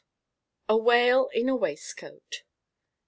A WHALE IN A WAISTCOAT.